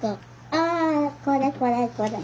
あこれこれこれ！